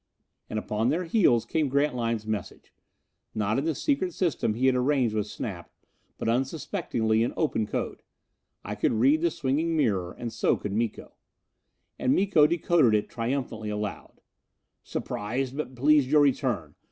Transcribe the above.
And upon their heels came Grantline's message. Not in the secret system he had arranged with Snap, but unsuspectingly in open code. I could read the swinging mirror, and so could Miko. And Miko decoded it triumphantly aloud: "_Surprised but pleased your return.